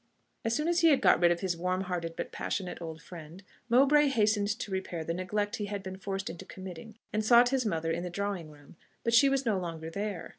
As soon as he had got rid of his warm hearted but passionate old friend, Mowbray hastened to repair the neglect he had been forced into committing, and sought his mother in the drawing room. But she was no longer there.